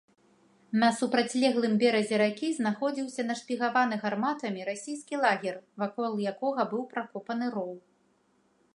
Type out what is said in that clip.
На супрацьлеглым беразе ракі знаходзіўся нашпігаваны гарматамі расійскі лагер, вакол якога быў пракопаны роў.